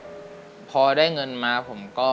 รายการต่อไปนี้เป็นรายการทั่วไปสามารถรับชมได้ทุกวัย